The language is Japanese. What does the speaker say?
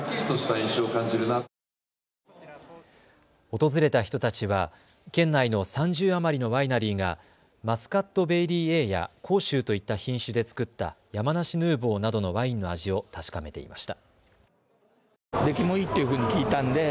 訪れた人たちは県内の３０余りのワイナリーがマスカットベーリーＡや甲州といった品種で作った山梨ヌーボーなどのワインの味を確かめていました。